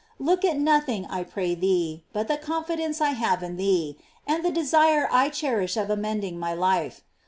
Look at nothing, I pray thee, but the confidence I have in thee, and the desire I cherish of amending my life.